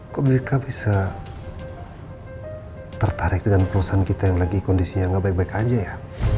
kok mereka bisa tertarik dengan perusahaan kita yang lagi kondisinya nggak baik baik aja ya